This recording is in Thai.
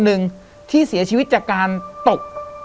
แต่ขอให้เรียนจบปริญญาตรีก่อน